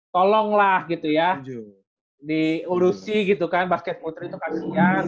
tolonglah gitu ya diurusi gitu kan basket putri itu kasihan gitu kan